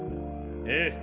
ええ。